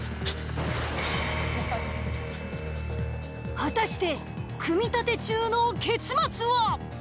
果たして組立中の結末は？